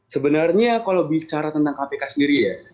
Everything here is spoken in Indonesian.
sebenarnya kalau bicara tentang kpk sendiri ya